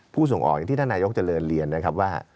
ส่งออกอย่างที่ท่านนายกเจริญเรียนนะครับว่า